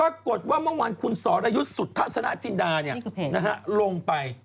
ปรากฏว่าเมื่อวานคุณสรยุทธ์สุทธสนจินดาลงไป